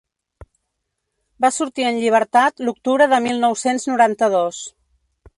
Va sortir en llibertat l’octubre de mil nou-cents noranta-dos.